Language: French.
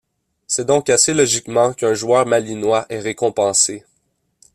C'est donc assez logiquement qu'un joueur malinois est récompensé.